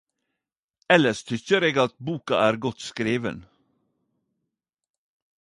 Elles tykkjer eg boka er godt skriven.